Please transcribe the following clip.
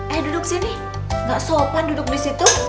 eh duduk sini gak sopan duduk di situ